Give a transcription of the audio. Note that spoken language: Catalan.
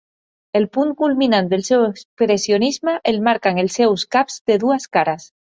El punt culminant del seu expressionisme el marquen els seus caps de dues cares.